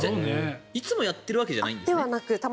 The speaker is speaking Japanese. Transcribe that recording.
いつもやっているわけじゃないですね。